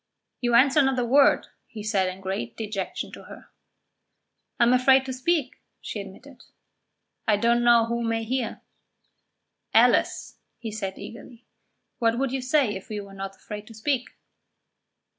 "You answer not a word," he said in great dejection to her. "I am afraid to speak," she admitted. "I don't know who may hear." "Alice," he said eagerly, "what would you say if you were not afraid to speak?"